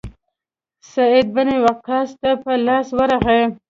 سعد بن وقاص ته په لاس ورغی.